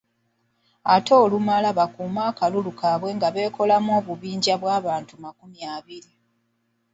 Ate olumala bakuume akalulu kaabwe nga beekolamu obubinja bw'abantu amakumi abiri.